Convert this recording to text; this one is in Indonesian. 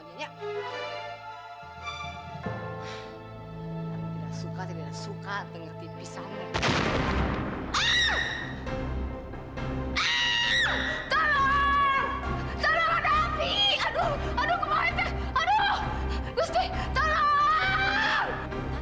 tante tidak suka tidak suka denger tipis sama dia